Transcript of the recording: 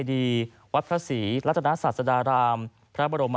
ที่มีโอกาสได้ไปชม